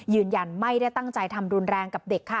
ยืนยันไม่ได้ตั้งใจทำรุนแรงกับเด็กค่ะ